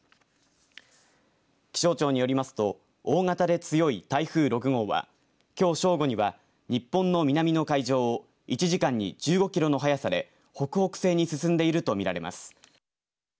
気象庁によりますと大型で強い台風６号はきょう正午には日本の南の海上を１時間に１５キロの速さで北北西に進んでいると見られます。